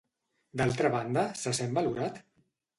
D'altra banda, se sent valorat?